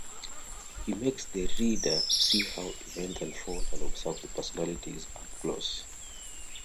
He makes the reader see how events unfold and observe the personalities up close.